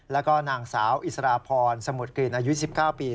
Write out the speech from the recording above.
แล้วก็นางสาวอิสราพรสมุทรกรีนอายุ๑๙ปี